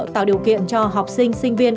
tạo điều kiện cho học sinh sinh viên